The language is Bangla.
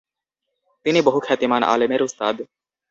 তিনি বহু খ্যাতিমান আলেমের উস্তাদ।